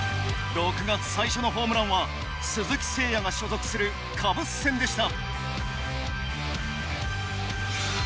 ６月最初のホームランは鈴木誠也が所属するカブス戦でした。